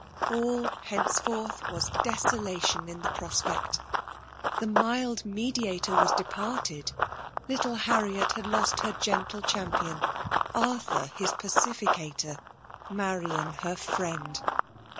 All henceforth was desolation in the prospect! The mild mediator was departed. Little Harriet had lost her gentle champion, Arthur his pacificator, Marian her friend.